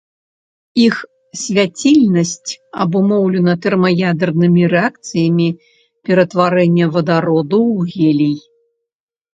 Іх свяцільнасць абумоўлена тэрмаядзернымі рэакцыямі ператварэння вадароду ў гелій.